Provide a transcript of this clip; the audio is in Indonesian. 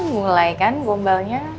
mulai kan gombalnya